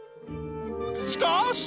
しかし！